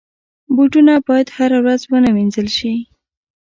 بوټونه باید هره ورځ ونه وینځل شي.